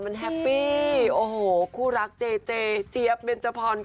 มันแฮปปี้โอ้โฮคู่รักเจ๊เจ๊เจี๊ยปเว็ดเจฟอร์น